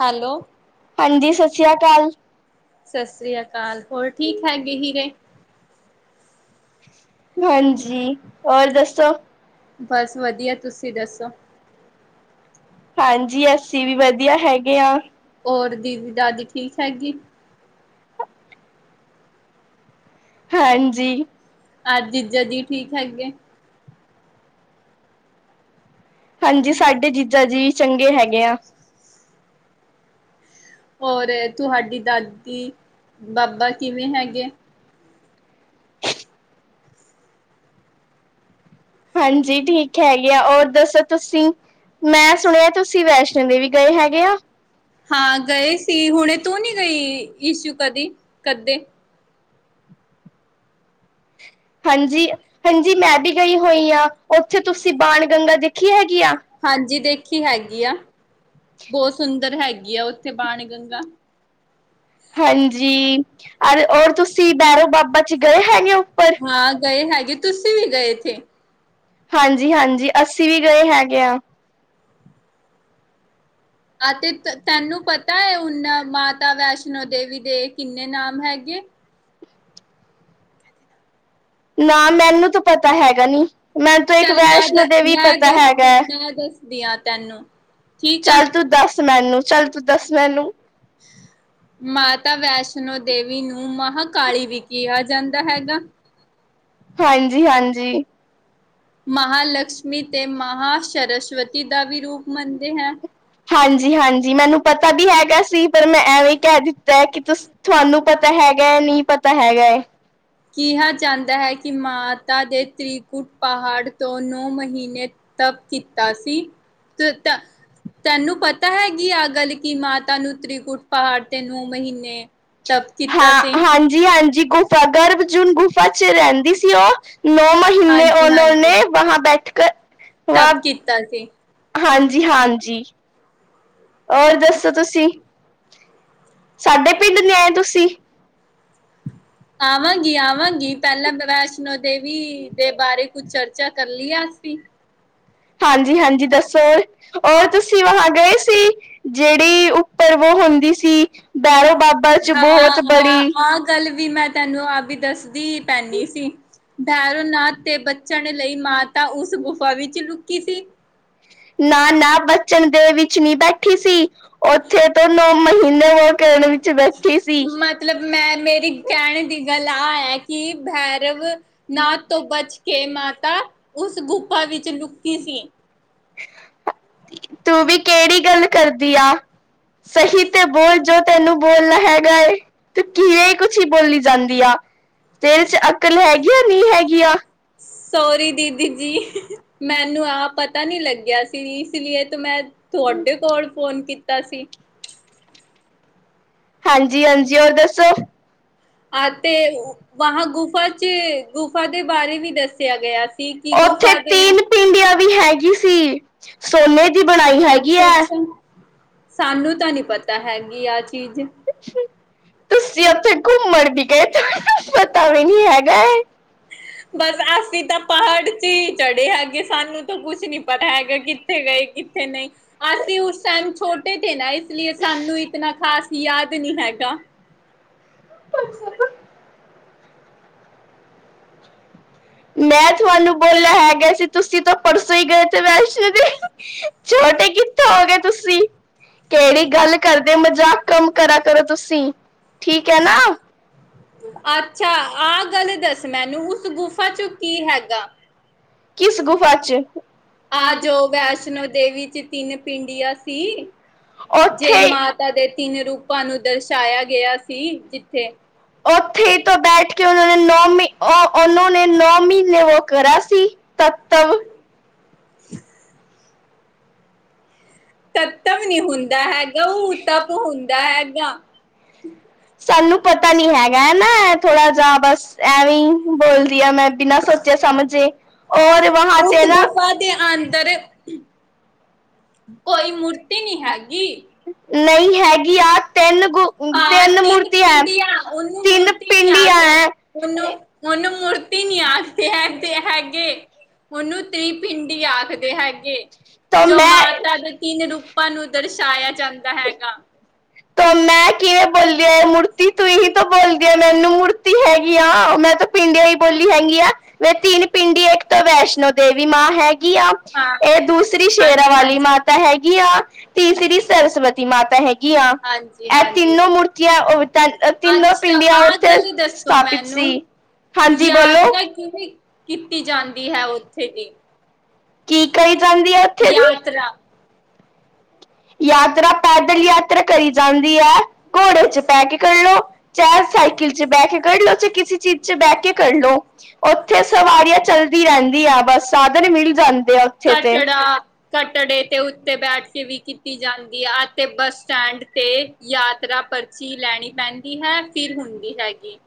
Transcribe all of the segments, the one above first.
Hello, ਹਾਂਜੀ ਸਤਿ ਸ੍ਰੀ ਅਕਾਲ। ਸਤਿ ਸ਼੍ਰੀ ਅਕਾਲ। ਹੋਰ ਠੀਕ ਹੈਗੇ, ਹੀਰੇ। ਹਾਂਜੀ ਹੋਰ ਦੱਸੋ ਬਸ ਵਧੀਆ, ਤੁਸੀਂ ਸੀ ਦੱਸੋ। ਹਾਂਜੀ, ਅਸੀਂ ਵੀ ਵਧੀਆ ਹੈਗੇ ਆ। ਹੋਰ ਦੀਦੀ, ਦਾਦੀ ਠੀਕ ਹੈਗੀ। ਹਾਂਜੀ ਆ ਜੀਜਾ ਜੀ। ਠੀਕ ਹੈਗੇ। ਹਾਂਜੀ, ਸਾਡੇ ਜੀਜਾ ਜੀ ਚੰਗੇ ਹੈਗੇ ਆ। ਹੋਰ ਤੁਹਾਡੀ ਦਾਦੀ ਬਾਬਾ ਕਿਵੇਂ ਹੈਗੇ? ਕੇ ਹਾਂਜੀ ਠੀਕ ਹੈਗੇ ਆ ਔਰ ਦੱਸੋ ਤੁਸੀਂ ਮੈਂ ਸੁਣਿਆ ਤੁਸੀਂ ਵੈਸ਼ਨੋ ਦੇਵੀ ਗਏ ਹੈਗੇ ਆ। ਹਾਂ ਗਏ ਸੀ ਹੁਣੇ [unintelligible] ਤੂੰ ਨੀ ਗਈ ਇਸ਼ੂ ਕਦੀ, ਕਦੇ? ਹਾਂਜੀ, ਹਾਂਜੀ ਮੈਂ ਵੀ ਗਈ ਹੋਈ ਹਾਂ ਉੱਥੇ ਤੁਸੀਂ ਬਾਣ ਗੰਗਾ ਦੇਖੀ ਹੈਗੀ ਆ? ਗੀ ਆ। ਬਹੁਤ ਸੁੰਦਰ ਹੈਗੀ ਆ ਉੇਹ। ਤੇ ਬਾਣ ਗੰਗਾ ਹਾਂਜੀ, ਔਰ ਤੁਸੀਂ ਬੈਰੋ ਬਾਬਾ 'ਚ ਗਏ ਹੈਗੇ ਉੱਪਰ? ਹਾਂ ਗਏ ਹੈਗੇ ਤੁਸੀਂ ਵੀ ਗਏ ਇੱਥੇ? ਹਾਂਜੀ-ਹਾਂਜੀ ਅਸੀ ਅਸੀਂ ਵੀ ਗਏ ਹੈਗੇ ਆ। ਆ ਤੇ ਤੈਨੂੰ ਪਤਾ ਐ ਹੁਣ ਮਾਤਾ ਵੈਸ਼ਨੋ ਦੇਵੀ ਦੇ ਕਿੰਨੇ ਨਾਮ ਹੈਗੇ? ਨਾ ਮੈਨੂੰ ਤਾਂ ਪਤਾ ਹੈਗਾ ਨੀ ਮੈਨੂੰ ਤਾਂ ਇੱਕ ਚੱਲ ਮੈਂ ਵੈਸ਼ਨੋ ਦੇਵੀ ਮੈਂ ਪਤਾ ਹੈਗਾ ਦੱਸਦੀ ਹੈ। ਮੈਂ ਦੱਸਦੀ ਆ। ਤੈਨੂੰ ਠੀਕ ਆ ਚੱਲ ਤੂੰ ਦਸ ਮੈਨੂੰ ਚੱਲ ਤੂੰ ਦਸ ਮੈਨੂੰ। ਮਾਤਾ ਵੈਸ਼ਨੋ ਦੇਵੀ ਨੂੰ ਮਹਾਂਕਾਲੀ ਵੀ ਕਿਹਾ ਜਾਂਦਾ ਹੈਗਾ। ਹਾਂਜੀ-ਹਾਂਜੀ ਮਹਾਲਕਸ਼ਮੀ ਤੇ ਮਹਾਾਂ ਸਰਸਵਤੀ ਦਾ ਵੀ ਰੂਪ ਮੰਨਦੇ ਹੈ। ਹਾਂਜੀ-ਹਾਂਜੀ ਮੈਨੂੰ ਪਤਾ ਵੀ ਹੈਗਾ ਸੀ ਪਰ ਮੈਂ ਐਵੇਂ ਹੀ ਕਹਿ ਦਿੱਤਾ ਕਿ ਤੁ ਤੁਹਾਨੂੰ ਪਤਾ ਹੈਗਾ ਨਹੀਂ ਪਤਾ ਹੈਗਾ ਏ। ਤਾ ਦੇ ਤ੍ਰਕੁਟ ਪਹਾੜ ਤੋਂ ਨੌ ਮਹੀਨੇ ਤਪ ਕੀਤਾ ਸੀ ਤੇ ਤ ਤੈਨੂੰ ਪਤਾ ਹੈਗੀ ਅਗਲ ਕਿ ਮਾਤਾ ਨੂੰ ਤ੍ਰਿਕੁਟ ਪਹਾੜ ਤੇ ਨੌ ਮਹੀਨੇ ਤਪ ਕੀਤਾ ਹਾਂ ਸੀ ਹਾਂਜੀ ਹਾਂਜੀ ਗੁਫਾ ਗਰਭ ਜੂਨ ਗੁਫਾ ਚ ਰਹਿੰਦੀ ਸੀ ਉਹ ਨੌ ਮਹੀਨੇ ਹਾਂਜੀ ਉਹਨਾਂ ਨੇ [unintelligible] ਹਾਂਜੀ ਹਾਂਜੀ ਹੋਰ ਦੱਸੋ ਤੁਸੀਂ ਸਾਡੇ ਪਿੰਡ ਨੀ ਆਏ ਤੁਸੀਂ ਆਵਾਂਗੀ ਆਵਾਂਗੀ। ਪਹਿਲਾਂ ਮੈਂ ਵੈਸ਼ਨੋ ਦੇਵੀ ਦੇ ਬਾਰੇ ਕੁੱਝ ਚਰਚਾ ਕੱਲੀ ਆ ਅਸੀਂ ਹਾਂਜੀ ਹਾਂਜੀ ਦੱਸੋ ਔ ਹਾਂ ਤੁਸੀਂ ਵਹਾਂ ਗਏ ਸੀ ਜਿਹੜੀ ਉੱਪਰ ਵੋ ਹੁੰਦੀ ਸੀ ਬੈਰੋ ਬਾਬਾ ਚ ਬਹੁਤ ਹਾਂ ਬੜੀ ਆ ਗੱਲ ਵੀ ਮੈਂ ਤੈਨੂੰ ਆਪ ਵੀ ਦੱਸਦੀ ਪੈਂਨੀ ਸੀ। ਬੈਰੋ ਨਾਥ ਤੇ ਬੱਚਣ ਲਈ ਮਾਤਾ ਉਸ ਗੁਫਾ ਵਿੱਚ ਲੁਕੀ ਕਿਸੀ ਨਾ ਨਾ ਬਚਣ ਦੇ ਵਿੱਚ ਨਹੀਂ ਬੈਠੀ ਸੀ ਉੱਥੇ ਤੋਂ ਨੌ ਮਹੀਨੇ ਵੋ ਕਰਨ ਵਿੱਚ ਬੈਠੀ ਸੀ ਮਤਲਬ ਮੈਂ ਮੇਰੀ ਕਹਿਣ ਦੀ ਗੱਲ ਆ ਹੈ ਕਿ ਭੈਰਵ ਨਾਥ ਤੋਂ ਬਚ ਕੇ ਮਾਤਾ ਉਸ ਗੁਫਾ ਵਿੱਚ ਲੁਕੀ ਕਿਸੀ [unintelligible] ਤੂੰ ਵੀ ਕਿਹੜੀ ਗੱਲ ਕਰਦੀ ਆ ਸਹੀ ਤੇ ਬੋਲ ਜੋ ਤੈਨੂੰ ਬੋਲਣਾ ਹੈਗਾ ਏ ਤੂੰ ਕਿਵੇਂ ਕੁਛ ਹੀ ਬੋਲੀ ਜਾਂਦੀ ਆ ਤੇਰੇ ਚ ਅਕਲ ਹੈਗੀਆਂ ਨਹੀਂ ਹੈਗੀਆਂ। ਸੋਰੀ ਦੀਦੀ ਜੀ ਮੈਨੂੰ ਆਹ ਪਤਾ ਨੀ ਲੱਗਿਆ ਸਿਲੀ ਸੀਲਈਏ ਤੇ ਮੈਂ ਤੁਹਾਡੇ ਕੋਲ ਫੋਨ ਕੀਤਾ ਸੀ। ਹਾਂਜੀ ਹਾਂਜੀ ਹੋਰ ਦੱਸੋ। ਅਤੇ ਵਹਾ ਗੁਫਾ ਚ ਗੁਫਾ ਦੇ ਬਾਰੇ ਵੀ ਦੱਸ ਕਿਆ ਗਿਆ। ਕੀ ਕੀ ਉੱਥੇ ਗੁਫਾ ਦੇ ਆ। ਤਿੰਨ ਪਿੰਡੀਆਂ ਵੀ ਹੈਗੀ ਸੀ ਸੋਨੇ ਦੀ ਬਣਾਈ ਹੈਗੀ ਅੱਛਾ ਐ ਅੱਛਾ ਸਾਨੂੰ ਤਾਂ ਨੀ ਪਤਾ। ਤਾਂ ਹੈਗੀ ਆਹ ਚੀਜ਼ ਤੁਸੀਂ ਓਥੇ ਘੁੰਮ ਹੈਗਾ ਹੈ। ਬਸ ਅਸੀਂ ਤਾਂ ਪਹਾੜ ਚ ਹੀ ਚੜ੍ਹੇ ਹੈਗੇ ਸਾਨੂੰ ਤਾਂ ਕੁਛ ਨੀ ਪਤਾ ਹੈਗਾ ਕਿੱਥੇ ਗਏ ਕਿੱਥੇ ਨਹੀਂ ਅਸੀਂ ਉਸ ਟਾਈਮ ਛੋਟੇ ਤੇ ਨਾ ਇਸ ਲਈ ਸਾਨੂੰ ਇਤਨਾ ਖ਼ਾਸ ਯਾਦ ਵੀ ਨਹੀਂ ਹੈਗਾ ਹਾਂ ਜੀ [unintelligible] ਮੈਂ ਤੁਹਾਨੂੰ ਬੋਲਿਆ ਹੈਗਾ ਸੀ ਤੁਸੀਂ ਤਾਂ ਪਰਸੋਂ ਹੀ ਗਏ ਤੇ ਵੈਸ਼ਨੋ ਦੇਵੀ ਛੋਟੇ ਕਿੱਥੋਂ ਹੋ ਗਏ ਤੁਸੀਂ ਕਿਹੜੀ ਗੱਲ ਕਰਦੇ ਮਜ਼ਾਕ ਕਮ ਕਰਾ ਕਰੋ ਤੁਸੀਂ ਠੀਕ ਹੈ ਨਾ ਅੱਛਾ ਆਹ ਗੱਲ ਦੱਸ ਮੈਨੂੰ ਉਸ ਗੁਫਾ ਚੁ ਕੀ ਹੈਗਾ ਕਿਸ ਗੁਫਾ 'ਚ ਆ ਜੋ ਵੈਸ਼ਨੋ ਦੇਵੀ ਚ ਤਿੰਨ ਪਿੰਡੀਆਂ ਸੀ ਜੇ ਉੱਥੇ ਮਾਤਾ ਦੇ ਤਿੰਨ ਰੂਪਾਂ ਨੂੰ ਦਰਸਾ਼ ਪਾਇਆ ਗਿਆ ਸੀ ਜਿੱਥੇ। ਉੱਥੇ ਹੀ ਤੋਂ ਬੈਠ ਕੇ ਉਹਨੋ ਨੇ ਨੌ ਉਹਨੌ ਨੇ ਨੌ ਨੌ ਮਹੀਨੇ ਵੋ ਕਰਾ ਸੀ, ਤੱਤਵ। ਖਾਲੀ ਤੱਤਵ ਨਹੀਂ ਹੁੰਦਾ ਹੈਗਾ। ਉਹ ਤਪ ਹੁੰਦਾ ਹੈਗਾ। ਸਾਨੂੰ ਪਤਾ ਨੀ ਹੈਗਾ ਹੈ ਨਾ ਥੋੜਾ ਜਾ ਬਸ ਐਵੇਂ ਈ ਬੋਲਦੀਆ ਮੈਂ ਬਿਨਾ ਸੋਚੇ ਸਮਝੇ। ਔਰ ਵਹਾ ਤੇ ਉਸ ਨਾ ਗੁਫਾ ਦੇ ਅੰਦਰ ਕੋਈ ਮੂਰਤੀ ਨੀ ਹੈਗੀ। ਨਹੀਂ, ਹੈਗੀ ਆ ਤਿੰਨ ਗੁ- ਹਾਂ, ਤਿੰਨ ਮੂਰਤੀ ਹੈ ਪਿੰਡੀਆਂ। ਉਹਨੂੰ ਤਿੰਨ ਮੂਰਤੀ ਨੀ ਪਿੰਡੀਆਂ ਆਖਦੇ। ਹੈ ਉਨੂੰ, ਉਹਨੂੰ ਮੂਰਤੀ ਨੀ ਆਖਦੇ ਹੈ ਤੇ ਹੈਗੇ। ਉਹਨੂੰ ਤਿੰਨ ਪਿੰਡੀ ਆਖਦੇ ਹੈਗੇ। ਤਾਂ ਜੋ ਮੈਂ ਮਾਂ ਤਿੰਨ ਰੂਪਾਂ ਨੂੰ ਦਰਸਾਇਆ ਜਾਂਦਾ ਹੈਗਾ। ਤਾਂ ਹਾਂ, ਮੈਂ ਕਿਵੇਂ ਬੋਲਿਆ ਇਹ ਮੂਰਤੀ ਹਾਂਜੀ-ਹਾਂਜੀ। ਤੂੰ ਹੀ ਤਾਂ ਬੋਲਦੀ ਹੈ ਮੈਨੂੰ ਮੂਰਤੀ ਹੈਗੀ ਆ ਮੈਂ ਤਾਂ ਪਿੰਡੀਆਂ ਹੀ ਬੋਲੀ ਹੈਗੀ ਆ ਵੇ ਤਿੰਨ ਪਿੰਡੀ ਇੱਕ ਤਾਂ ਵੈਸ਼ਨੋ ਦੇਵੀ ਮਾਂ ਹੈਗੀ ਆ ਤਾ ਹੈਗੀ ਆ। ਤੀਸਰੀ ਸਰਸਵਤੀ ਮਾਤਾ ਹੈਗੀ ਆ। ਹਾਂਜੀ ਇਹ ਹਾਂਜੀ ਤਿੰਨੋ ਮੂਰਤੀਆਂ, ਉਹ ਤਾ ਤਿੰਨੋ ਅੱਛਾ ਪਿੰਡੀਆਂ ਆਹ ਉੱਥੇ ਗੱਲ ਦੱਸੋ ਸਥਾਪਿਤ ਮੈਨੂੰ ਸੀ। ਹਾਂਜੀ, ਬੋਲੋ। ਯਾਤਰਾ ਕਿਵੇਂ ਕੀ ਕਰੀ ਕਹੀ ਜਾਂਦੀ ਜਾਂਦੇ ਹੈ ਹੋ? ਉੱਥੇ ਦੀ ਯਾਤਰਾ। ਯਾਤਰਾ ਪੈਦਲ ਯਾਤਰਾ ਕਰੀ ਜਾਂਦੀ ਹੈ। ਘੋੜੇ ਚ ਬੈ ਕੇ ਕਰੱ ਲਉ। ਚਾਹੇ ਸਾਈਕਲ ਚ ਬਹਿ ਕੇ ਕੱਢ ਲਓ। ਚਾਹੇ ਕਿਸੇ ਚੀਜ਼ ਚ ਬਹਿ ਕੇ ਕਰ ਲੋ। ਉੱਥੇ ਸਵਾਰੀਆਂ ਚੱਲਦੀ ਰਹਿੰਦੀ ਹੈ। ਬਸ ਸਾਧਨ ਮਿਲ ਜਾਂਦੇ ਆ ਉੱਥੇ ਤੇ। ਕਟੜਾ ਕਟੜੇ ਤੇ ਉੱਤੇ ਬੈਠ ਕੇ ਵੀ ਕੀਤੀ ਜਾਨ ਯਾ ਤੇ ਬੱਸ ਸਟੈਂਡ ਤੇ ਯਾਤਰਾ ਪਰਚੀ ਲੈਣੀ ਪੈਂਦੀ ਹੈ, ਫਿਰ ਹੁੰਦੀ ਹੈਗੀ।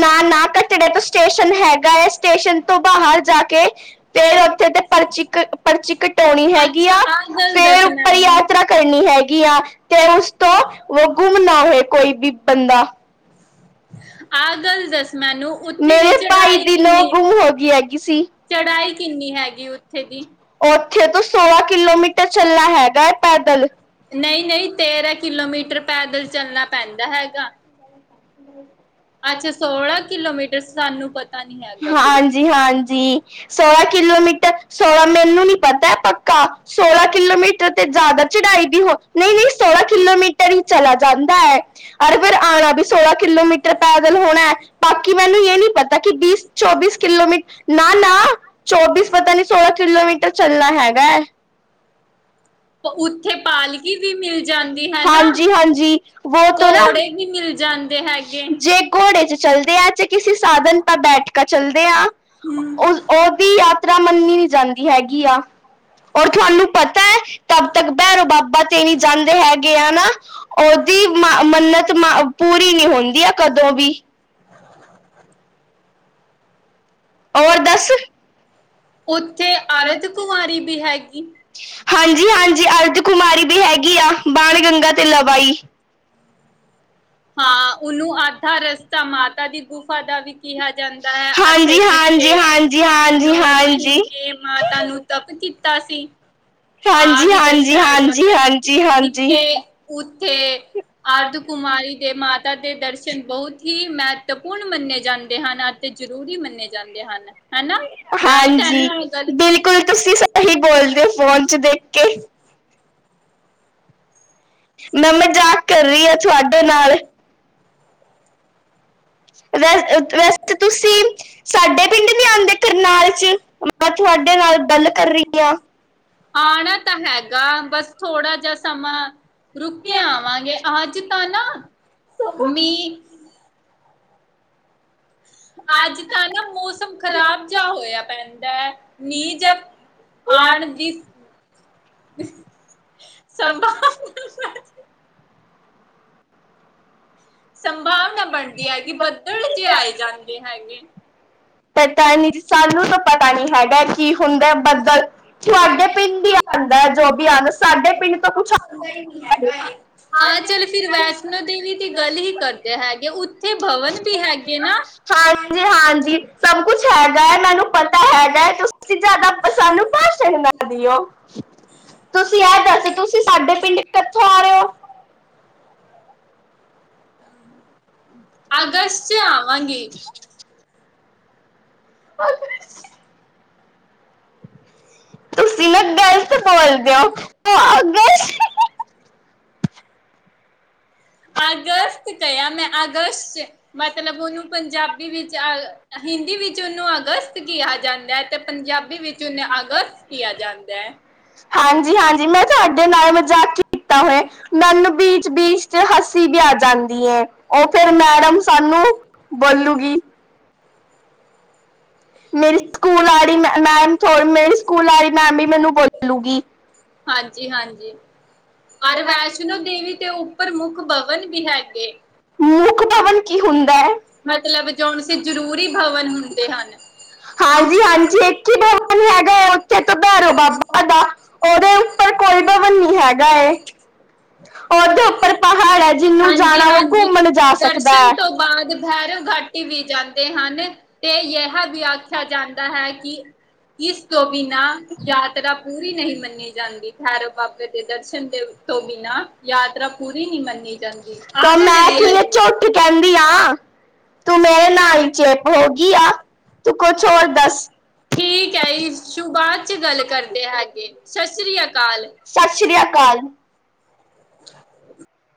ਨਾ-ਨਾ ਕੱਟੜੇ ਤੋਂ ਸਟੇਸ਼ਨ ਹੈਗਾ ਹੈ। ਸਟੇਸ਼ਨ ਤੋਂ ਬਾਹਰ ਜਾ ਕੇ ਫੇਰ ਉੱਥੇ ਤੇ ਪਰਚੀ, ਪਰਚੀ ਕਟਾਉਣੀ ਹੈਗੀ। ਅੱਛਾ ਯਾ ਆਹ ਗੱਲ ਫੇਰ ਦੱਸ ਉੱਪਰ ਮੈਨੂੰ ਯਾਤਰਾ ਕਰਨੀ ਹੈਗੀ ਆ ਤੇ ਉਸ ਤੋਂ, ਉਹ ਗੁੰਮ ਨਾ ਹੋਏ ਕੋਈ ਵੀ ਬੰਦਾ। ਆਹ ਗੱਲ ਦੱਸ ਮੈਨੂੰ, ਉੱਥੇ ਦੀ ਮੇਰੇ ਭਾਈ ਚੜਾਈ ਦੀ ਨੂੰਹ ਕਿੰਨੀ, ਗੁੰਮ ਹੋ ਗਈ ਹੈਗੀ ਸੀ ਚੜਾਈ ਕਿੰਨੀ ਹੈਗੀ ਉੱਥੇ ਦੀ? ਸਵਾ ਕਿਲੋਮੀਟਰ ਚੱਲਣਾ ਹੈਗਾ, ਪੈਦਲ। ਨਹੀਂ ਨਹੀਂ ਤੇਰਾਂ ਕਿਲੋਮੀਟਰ ਪੈਦਲ ਚੱਲਣਾ ਪੈਂਦਾ ਹੈਗਾ। ਅੱਛਾ, ਸੋਲਾਂ ਕਿਲੋਮੀਟਰ। ਸਾਨੂੰ ਪਤਾ ਨੀ ਹੈਗਾ ਫਿਰ ਹਾਂਜੀ ਹਾਂਜੀ ਸੋਲਾਂ ਕਿਲੋਮੀਟਰ ਸੋਲਾਂ ਮੈਨੂੰ ਨੀ ਪਤਾ ਕਾ, ਸੋਲਾਂ ਕਿਲੋਮੀਟਰ ਤੇ ਜ਼ਿਆਦਾ ਚੜਾਈ ਦੀ ਹੋ ਨਹੀਂ-ਨਹੀਂ, ਸੋਲਾਂ ਕਿਲੋਮੀਟਰ ਹੀ ਚਲਾ ਜਾਂਦਾ ਹੈ ਔਰ ਫੇਰ ਆਉਣਾ ਵੀ ਸੋਲਾਂ ਕਿਲੋਮੀਟਰ ਪੈਦਲ ਹੋਣਾ ਹੈ। ਬਾਕੀ ਮੈਨੂੰ ਇਹ ਨੀ ਪਤਾ ਕਿ ਬੀਸ ਚੌਬੀਸ ਕਿਲੋਮੀਟਰ, ਨਾ-ਨਾ, ਚੌਬੀਸ ਪਤਾ ਨੀ ਸੋਲਾਂ ਕਿਲੋਮੀਟਰ ਚੱਲਣਾ ਏ ਤਾਂ ਹੈਗਾ ਐ। ਉੱਥੇ ਪਾਲਕੀ ਵੀ ਮਿਲ ਜਾਂਦੀ। ਹਨਾ, ਹਾਂਜੀ-ਹਾਂਜੀ ਵੋ ਤੋਂ ਨਾ ਘੋੜੇ ਵੀ ਮਿਲ ਜਾਂਦੇ। ਹੈਗੇ ਜੇ ਘੋੜੇ ਚ ਚੱਲਦੇ ਆ, ਜੇ ਕਿਸੇ ਸਾਧਨ ਪਾ ਬੈਠਕਾ ਚੱਲਦੇ ਆ। ਹੂੰ। ਉਹ, ਉਹਦੀ ਯਾਤਰਾ ਮੰਨੀ ਨੀ ਜਾਂਦੀ ਹੈਗੀ ਆ। ਔਰ ਤੁਹਾਨੂੰ ਪਤਾ ਹੈ? ਤਬ ਤੱਕ ਭੈਰੋ ਬਾਬਾ ਤੇ ਨੀ ਜਾਂਦੇ ਹੈਗੇ ਆ ਨਾ, ਉਹਦੀ ਮ-ਮੰਨਤ ਮ ਪੂਰੀ ਰੀ ਨੀ ਹੁੰਦੀ ਆ ਕਦੋਂ ਵੀ ਹੋਰ ਦੱਸ ਉੱਥੇ ਅਰਧ ਕੁਮਾਰੀ ਵੀ ਹੈਗੀ। ਹਾਂਜੀ ਹਾਂਜੀ ਅਰਧ ਕੁੁਮਾਰੀ ਵੀ ਹੈਗੀ ਆ ਬਾਣ ਗੰਗਾ ਤੇ ਲਵਾਈ ਹਾਂ ਉਹਨੂੰ ਆਧਾ ਰਸਤਾ ਮਾਤਾ ਦੀ ਗੁਫਾ ਦਾ ਵੀ ਕਿਹਾ ਜਾਂਦਾ ਹੈ ਆਥੇ ਹਾਂਜੀ ਜਿੱਤੇ ਹਾਂਜੀ ਹਾਂਜੀ ਹਾਂਜੀ ਹਾਂਜੀ ਨੌ ਹਾਂਜੀ ਮਹੀਨੇ ਮਾਤਾ ਨੂੰ ਤਪ ਸਤਾਸੀ ਹਾਂਜੀ ਹਾਂਜੀ ਆਪ ਇਧਰ ਸਹਿਰ ਹਾਂਜੀ ਜਾਂਦਾ ਹੈ ਹਾਂਜੀ ਇੱਥੇ ਹਾਂਜੀ ਉੱਥੇ ਅਰਧ ਕੁੁਮਾਰੀ ਮਾਤਾ ਦੇ ਦਰਸ਼ਨ ਬਹੁਤ ਹੀ ਹੀ ਮਹੱਤਵਪੂਰਨ ਮੰਨੇ ਜਾਂਦੇ ਹਨ ਅਤੇ ਜ਼ਰੂਰੀ ਮੰਨੇ ਜਾਂਦੇ ਹਨ ਹਨਾ ਰਾਈਟ ਹੈ ਹਾਂਜੀ ਨਾ ਇਹ ਗੱਲ ਬਿਲਕੁਲ ਤੁਸੀਂ ਸਹੀ ਬੋਲਦੇ ਹੋ ਫੋਨ ਚ ਦੇਖ ਕੇ ਮੈਂ ਮਜ਼ਾਕ ਕਰ ਰਹੀ ਹਾਂ ਤੁਹਾਡੇ ਨਾਲ ਵ ਵੈਸੇ ਤੁਸੀਂ ਸਾਡੇ ਪਿੰਡ ਨੀ ਆਉਂਦੇ ਕਰਨਾਲ ਚ ਮੈਂ ਤੁਹਾਡੇ ਨਾਲ ਗੱਲ ਕਰ ਰਹੀ ਹ ਆਣਾ ਤਾਂ ਹੈਗਾ ਰੁਕੇ ਆਵਾਂਗੇ ਅੱਜ ਤਾਂ ਨਾ ਮੀ ਅੱਜ ਤਾਂ ਨਾ ਮੌਸਮ ਖ਼ਰਾਬ ਜਿਹਾ ਹੋਇਆ ਪੈਂਦਾ ਹੈ ਨੀਂ ਜ ਆਉਣ ਦੀ ਸੰਭਵਨਾ ਸੰਭਾਵਨਾ ਬਣਦੀ ਹੈ ਕਿ ਬੱਦਲ ਆਏ ਜਾਂਦੇ ਹੈਗੇ ਿੰਿੰ ਪਤਾ ਨੀ ਜੀ ਸਾਨੂੰ ਤਾਂ ਪਤਾ ਨੀ ਹੈਗਾ ਕੀ ਹੁੰਦਾ ਬੱਦਲ ਤੁਹਾਡੇ ਪਿੰਡ ਹੀ ਆਉਂਦਾ ਹੈ ਜੋ ਵੀ ਆਉਂਦਾ ਸਾਡੇ ਪਿੰਡ ਤੋਂ ਕੁਛ ਆਉਂਦਾ ਨੀ ਚਲ ਫ ਵੈਸ਼ਨੋ ਦੇਵੀ ਦੀ ਗੱਲ ਹੀ ਕਰਦੇ ਹੈਗੇ ਓਥੇ ਭਵਨ ਵੀ ਹਗੇ ਨਾ ਹ ਹਾਂਜੀ ਹਾਂਜੀ ਹ ਸਭ ਕੁਛ ਹੈਗਾ ਹੈ ਮੈਨੂੰ ਪਤਾ ਹੈਗਾ ਹੈ ਤੁਸੀਂ ਜ਼ਿਆਦਾ ਸਾਨੂੰ ਭਾਸ਼ਣ ਨਾ ਦਿਓ ਤੁਸੀਂ ਇਹ ਦੱਸ ਤੁਸੀਂ ਸਾਡੇ ਪਿੰਡ ਕਿੱਥੋਂ ਆ ਰਹੇ ਹੋ ਅਗਸਟ ਆਵਾਂਗੇ ਹੋ ਫ ਤੁਸੀਸੀ ਨਾ ਗੱਲ ਸਲਦੇ ਹੋ ਆਦਰਰਸ਼ ਕਿਆ ਮੈਂ ਅਗਸਤ ਮਤਲਬ ਉਹਨੂੰ ਪੰਜਾਬੀ ਵਿੱਚ ਅ ਹਿੰਦੀ ਵਿੱਚ ਉਹਨੂੰ ਅਗਸਤ ਕਿਹਾ ਜਾਂਦਾ ਹੈ ਤੇ ਪੰਜਾਬੀ ਵਿੱਚ ਉਹਨੇ ਅਗਸਤ ਕਿਹਾ ਜਾਂਦਾ ਹੈ ਹਾਂਜੀ ਮੈਂ ਤੁਹਾਡੇ ਨਾਲ ਮਜ਼ਾਕ ਹਜੀ ਚ ਹਸੀ ਵੀ ਆ ਜਾਂਦੀ ਐ, ਓੱਥੇ ਫਿਰ ਮੈਡਮ ਸਾਨੂੰ ਬੋਲੂਗੀ। ਮੇਰੀ ਸਕੂਲ ਵਾਲੀ ਮ ਮੈਮ ਮੇਰੀ ਸਕੂਲ ਵਾਲੀ ਮੈਮ ਵੀ ਮੈਨੂੰ ਬੋਲੂਗੀ। ਹਾਂਜੀ-ਹਾਂਜੀ ਔਰ ਵੈਸ਼ਨੋ ਦੇਵੀ ਦੇ ਉੱਪਰ ਮੁੁੱਖ ਭਵਨ ਵੀ ਹੈਗੇ, [inaudible] ਮੁੱਖ ਭਵਨ ਕੀ ਹੁੰਦਾ ਹੈ ਮਤਲਬ ਜੋ ਜਰੂਰੀ ਭਵਨ ਹੁੰਦੇ ਹਨ। ਹਾਂਜੀ ਹਾਂਜੀ, ਇੱਕ ਹੀ ਭਵਨ ਹੈਗਾ ਉੱਥੇ ਤੋਂ ਭੈਰੋ ਬਾਬਾ ਦਾ ਉਹਦੇ ਉੱਪਰ ਕੋਈ ਭਵਨ ਨੀ ਹੈਗਾ। ਗਏ। [unintelligible] ਹਾਂਜੀ ਜਾਣਾ ਉਹ ਹਾਂਜੀ, ਘੁੰਮਣ ਜਾ ਸਕਦਾ ਹੈ। ਦਰਸ਼ਨ ਤੋਂ ਬਾਅਦ ਭੈਰਵ ਘਾਟੀ ਵੀ ਜਾਂ [inaudible] ਤੇ ਹਨੇਂ। [unintelligible] ਤੇ ਯਹ [unintelligible] ਵੀ ਆਖਿਆ ਜਾਂਦਾ ਹੈ ਕਿ [unintelligible] ਇਸ ਤੋਂ ਬਿਨਾਂ ਯਾਤਰਾ ਪੂਰੀ ਨਹੀਂ ਮੰਨੀ ਜਾ [inaudible] ਖਰੋ ਬਾਬੇ ਦੇ ਦਰਸ਼ਨ ਦੇ ਤੋਂ ਬਿਨਾਂ ਯਾਤਰਾ ਪੂਰੀ ਨੀਂ ਮੰਨੀ ਜਾਂਦੀ। ਤਾਂ ਮੈਂ ਕੀ ਇਹ ਝੂਠ ਕਹਿੰਦੀ ਆ ਤੂੰ ਮੇਰੇ ਨਾਲ ਹੀ ਚੇਪ ਹੋ ਗਈ ਆ ਤੂੰ [unintelligible] [inaudible] ਕੁਛ ਹੋ ਹੋਰ ਦੱਸ ਠੀਕ ਹੈ ਜੀ ਸ਼ ਬਾਤ ਚ ਗੱਲ ਕਰਦੇ ਹੈਗੇ ਸਸ [unintelligible] ਕਾਲ ਸਤਿ ਸ਼੍ਰੀ ਅਕਾਲ।